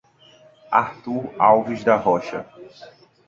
Artur Alves da Rocha